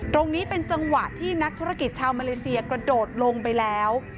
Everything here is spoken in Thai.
ตรงนี้เป็นจังหวะที่นักธุรกิจชาวมาเลเซียกระโดดลงไปแล้ว